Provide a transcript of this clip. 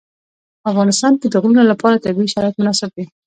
په افغانستان کې د غرونه لپاره طبیعي شرایط مناسب دي.